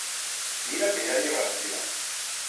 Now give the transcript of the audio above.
Mira que ya ye brastida.